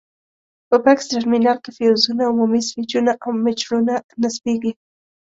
په بکس ترمینل کې فیوزونه، عمومي سویچونه او میټرونه نصبېږي.